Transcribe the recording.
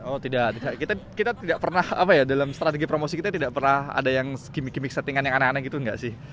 oh tidak kita tidak pernah apa ya dalam strategi promosi kita tidak pernah ada yang gimmick gimmick settingan yang aneh aneh gitu nggak sih